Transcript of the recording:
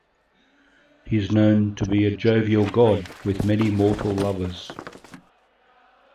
He is known to be a jovial god with many mortal lovers.